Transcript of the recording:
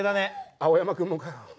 青山君もかよ。